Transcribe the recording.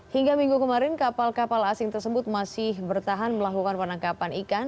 hingga minggu kemarin kapal kapal asing tersebut masih bertahan melakukan penangkapan ikan